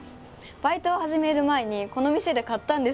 バイトを始める前にこの店で買ったんです。